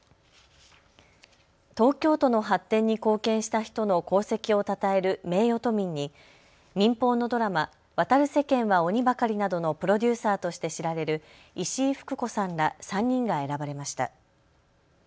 東京都の発展に貢献した人の功績をたたえる名誉都民に、民放のドラマ、渡る世間は鬼ばかりなどのプロデューサーとして知られる石井ふく子さんら３人が選ばれました。